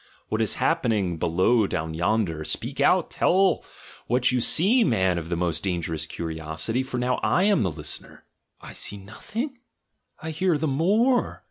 What is happening below down yonder? Speak out! Tell what you see, man of the most dangerous curiosity — for now / am the listener. "I see nothing, I hear the more.